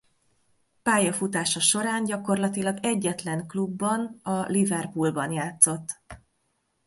Pályafutása során gyakorlatilag egyetlen klubban a Liverpoolban játszott.